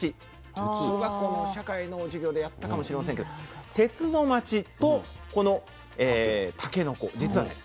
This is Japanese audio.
小学校の社会の授業でやったかもしれませんけど鉄の街とこのたけのこ実はね